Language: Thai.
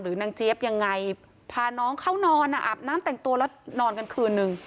นางเจี๊ยบยังไงพาน้องเข้านอนอ่ะอาบน้ำแต่งตัวแล้วนอนกันคืนนึง